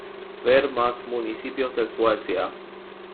Ver más Municipios de Suecia.